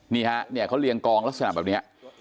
นี่ฮะเนี่ยเขาเรียงกองลักษณะแบบนี้